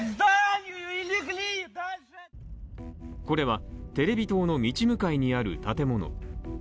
これはテレビ塔の道向かいにある建物。